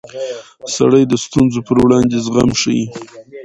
سړی د ستونزو پر وړاندې زغم ښيي